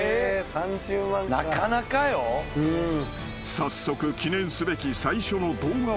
［早速記念すべき最初の動画をアップ］